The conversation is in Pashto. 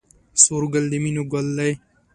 سور ګل د مینې ګل دی